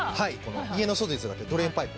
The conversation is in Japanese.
家の外につながってるドレンパイプ